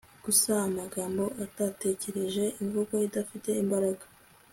gusa amagambo atatekereje, imvugo idafite imbaraga